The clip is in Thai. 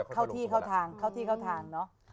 เข้าที่เข้าทาง